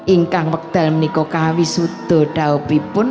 ingkang pekdalm nikokawi sudodawipun